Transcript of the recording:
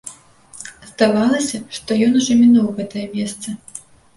Здавалася, што ён ужо мінуў гэтае месца.